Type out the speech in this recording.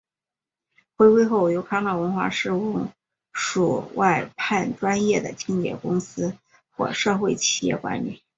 回归后由康乐文化事务署外判专业的清洁公司或社会企业管理。